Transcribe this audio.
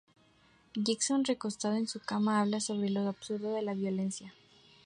Jackson, recostado en su cama, habla sobre lo absurdo de la violencia.